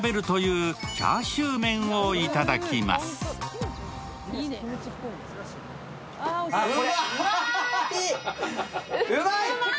うまいっ！